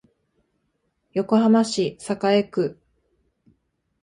横浜市栄区